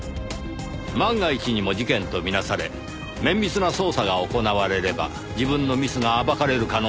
万が一にも事件とみなされ綿密な捜査が行われれば自分のミスが暴かれる可能性がある。